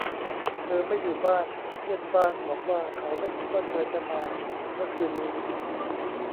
เธอไม่อยู่บ้านเพื่อนบ้านบอกว่าเขาไม่คิดว่าเธอจะมาเมื่อคืนนี้